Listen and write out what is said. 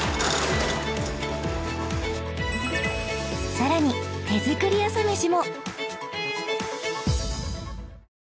さらに手作り朝メシも！